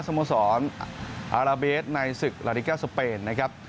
สโมสรอาราเบสในศึกลาดิแก้วสเปนนะครับ